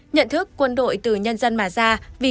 nhận thức quân đội từ nhân dân mà ra